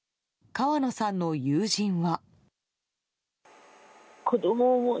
川野さんの友人は。